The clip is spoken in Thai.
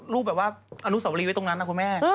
รูปแบบว่าอนุสาวรีไว้ตรงนั้นนะคุณแม่